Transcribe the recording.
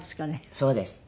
そうです。